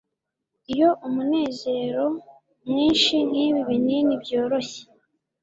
Iyo umunezero mwinshi nkibi binini byoroshye